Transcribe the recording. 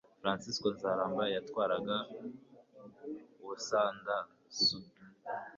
Fransisko Nzaramba yatwaraga UbusanzaSud